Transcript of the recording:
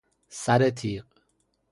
سر تیغ